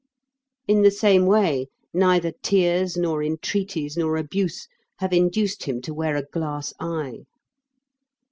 In the same way, neither tears nor entreaties nor abuse have induced him to wear a glass eye.